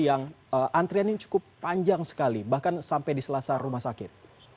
yang antriannya cukup panjang sekali bahkan sampai di selasa rumah sakit